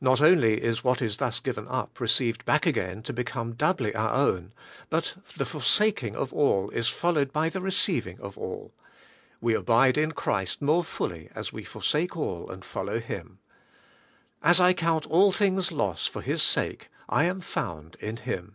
JSot only is what is thus given up 136 ABIDE IN CHRIST: received back again to become doubly our own, but the forsaking all is followed by the receiving all. We abide in Christ more fully as we forsake all and follow Him. As I count all things loss for His sake, I am found IN Him.